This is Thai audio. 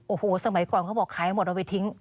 โอ้โหสมัยก่อนเขาบอกขายหมดเอาไปทิ้ง